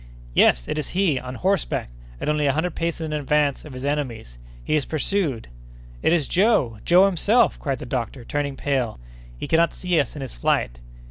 "Yes! it is he! on horseback, and only a hundred paces in advance of his enemies! He is pursued!" "It is Joe—Joe himself!" cried the doctor, turning pale. "He cannot see us in his flight!"